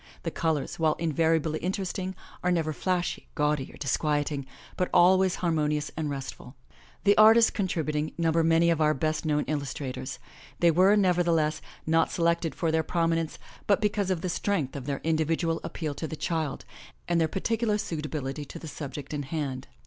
The colors, while invariably interesting, are never flashy, gaudy or dis quieting, but always harmonious and restful. The artists contrib uting number many of our best known illustrators. They were, nevertheless, not selected for their prominence, but because of the strength of their individual appeal to the child, and their particular suitability to the subject* in hand.